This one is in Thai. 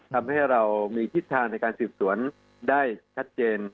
ทำให้เรามีทิศทางในการสืบสวนได้ชัดเจน